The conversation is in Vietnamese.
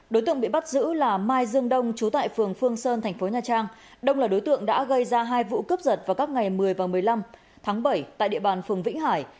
đối tượng bị bắt giữ là mai dương đông chú tại phường phương sơn thành phố nha trang đông là đối tượng đã gây ra hai vụ cướp giật vào các ngày một mươi và một mươi năm tháng bảy tại địa bàn phường vĩnh hải